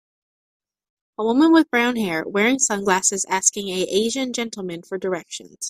A woman with brown hair, wearing sunglasses asking a asian gentleman for directions.